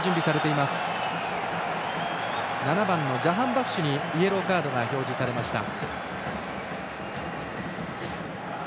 ７番のジャハンバフシュにイエローカードが表示されました。